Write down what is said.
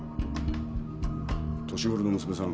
年ごろの娘さん